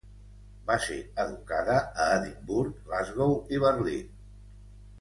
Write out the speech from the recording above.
Va ser educada a Edimburg, Glasgow i Berlín.